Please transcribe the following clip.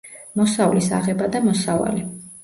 მოსავლის აღება და მოსავალი.